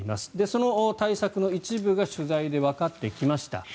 その対策の一部が取材でわかってきました。